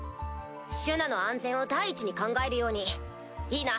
シュナの安全を第一に考えるようにいいな？